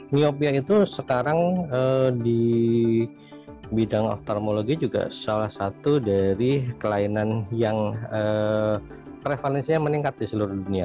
miopia itu sekarang di bidang ophthalmologi juga salah satu dari kelainan yang prevalensinya meningkat di seluruh dunia